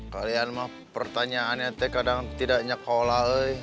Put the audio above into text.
kalian mah pertanyaannya teh kadang tidak nyekola